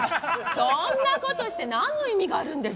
そんな事してなんの意味があるんですか？